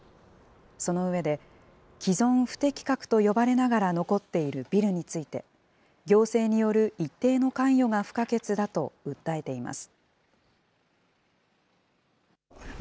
その上で、既存不適格と呼ばれながら残っているビルについて、行政による一定の関与が不可欠だと訴えています。